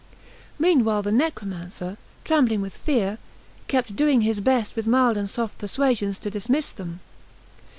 Meanwhile the necromancer, trembling with fear, kept doing his best with mild and soft persuasions to dismiss them.